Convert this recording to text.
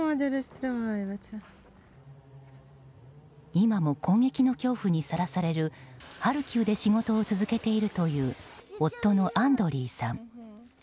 今も攻撃の恐怖にさらされるハルキウで仕事を続けているという夫のアンドリーさん。